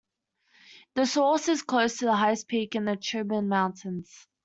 The source is close to the highest peak in the Cibin Mountains.